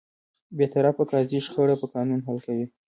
بېطرفه قاضي شخړه په قانون حل کوي.